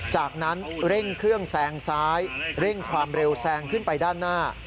จากนั้นเร่งเครื่องแซงซ้ายเร่งความเร็วแซงขึ้นไปด้านหน้า